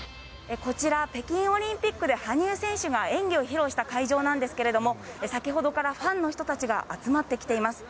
こちら、北京オリンピックで羽生選手が演技を披露した会場なんですけれども、先ほどからファンの人たちが集まってきています。